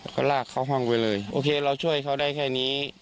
ก็ลากเข้าห้องไปเลยโอเคเราช่วยเขาได้แค่นี้